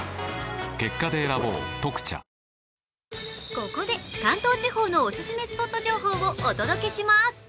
ここで、関東地方のおすすめスポット情報をお届けします。